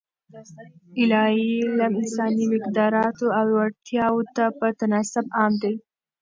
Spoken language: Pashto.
الاهي علم انساني مقدراتو او اړتیاوو ته په تناسب عام دی.